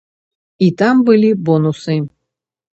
І там былі бонусы.